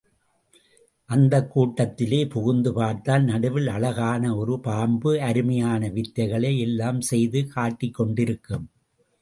அந்தக் கூட்டத்திலே புகுந்து பார்த்தால், நடுவில் அழகான ஒரு பாம்பு, அருமையான வித்தைகளை யெல்லாம் செய்து காட்டிக்கொண்டிருக்கும்.